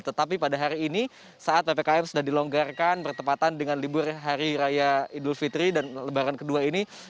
tetapi pada hari ini saat ppkm sudah dilonggarkan bertepatan dengan libur hari raya idul fitri dan lebaran kedua ini